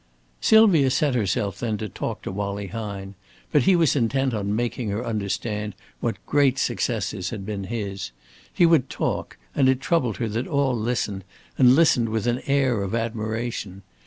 Sylvia set herself then to talk to Wallie Hine. But he was intent on making her understand what great successes had been his. He would talk, and it troubled her that all listened, and listened with an air of admiration.